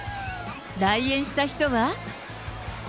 来園した人は。